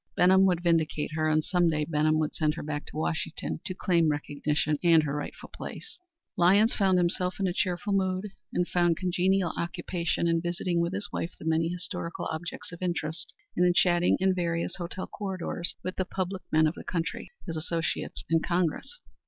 Benham would vindicate her, and some day Benham would send her back to Washington to claim recognition and her rightful place. Lyons himself was in a cheerful mood and found congenial occupation in visiting with his wife the many historical objects of interest, and in chatting in various hotel corridors with the public men of the country, his associates in Congress.